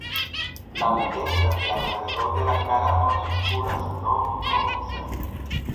La melena de alrededor de la cara no es oscura, sino rojiza.